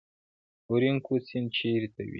اورینوکو سیند چیرې تویږي؟